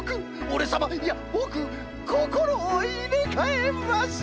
オレさまいやぼくこころをいれかえます！